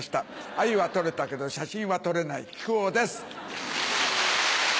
アユは捕れたけど写真は撮れない木久扇です。